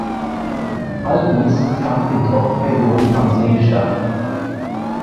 All dies fand in Trockenperioden am See statt.